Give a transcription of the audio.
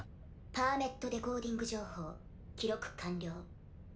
パーメットデコーディング情報記録完了。